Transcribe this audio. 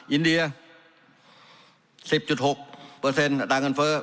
อินเดีย๑๐๖อัตราเงินเฟ้อ